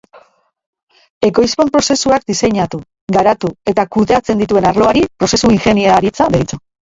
Ekoizpen-prozesuak diseinatu, garatu eta kudeatzen dituen arloari prozesu ingeniaritza deritzo.